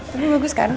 tapi bagus kan